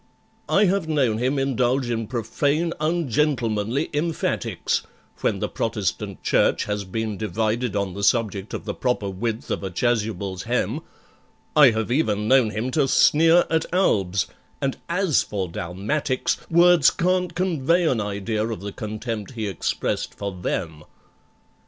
I have known him indulge in profane, ungentlemanly emphatics, When the Protestant Church has been divided on the subject of the proper width of a chasuble's hem; I have even known him to sneer at albs—and as for dalmatics, Words can't convey an idea of the contempt he expressed for them.